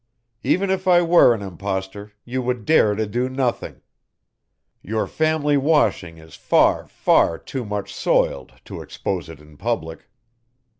Even if I were an impostor you would dare to do nothing. Your family washing is far, far too much soiled to expose it in public.